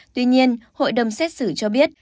tuy nhiên hội đồng xét xử cho biết